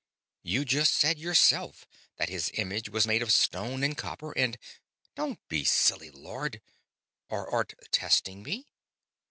You just said, yourself, that his image was made of stone and copper and ..." "Don't be silly, Lord. Or art testing me?